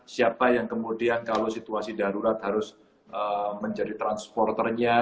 siapa yang kemudian kalau situasi darurat harus menjadi transporternya